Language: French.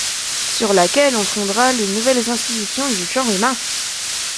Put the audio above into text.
Sur laquelle on fondera les nouvelles institutions du genre humain!